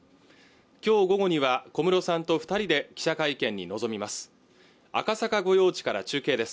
今日午後には小室さんと二人で記者会見に臨みます